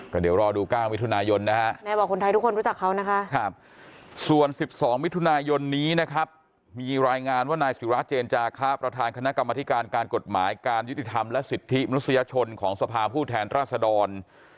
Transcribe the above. ก็เดี๋ยวรอดู๙มิถุนายนนะฮะแม่บอกคนไทยทุกคนรู้จักเขานะคะส่วน๑๒มิถุนายนนี้นะครับมีรายงานว่านายศิราเจนจาคะประธานคณะกรรมธิการการกฎหมายการยุติธรรมและสิทธิมนุษยชนของสภาผู้แทนราษดร